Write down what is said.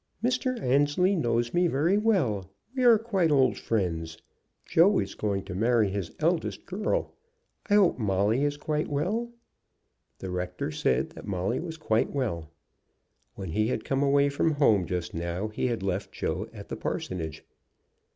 "Mr. Annesley knows me very well. We are quite old friends. Joe is going to marry his eldest girl. I hope Molly is quite well." The rector said that Molly was quite well. When he had come away from home just now he had left Joe at the parsonage.